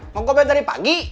mau kopi dari pagi